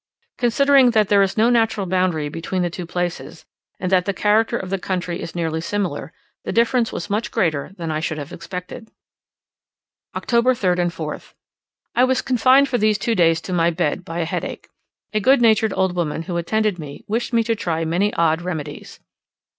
Considering that there is no natural boundary between the two places, and that the character of the country is nearly similar, the difference was much greater than I should have expected. October 3rd and 4th. I was confined for these two days to my bed by a headache. A good natured old woman, who attended me, wished me to try many odd remedies.